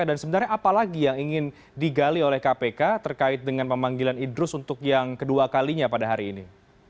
dan sebenarnya apa lagi yang ingin digali oleh kpk terkait dengan pemanggilan idrus untuk yang kedua kalinya pada hari ini